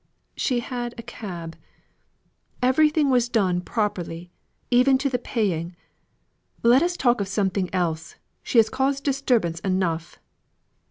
"She had a cab. Everything was done properly, even to the paying. Let us talk of something else. She has caused disturbance enough."